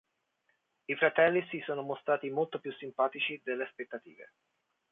I fratelli si sono mostrati molto più simpatici delle aspettative.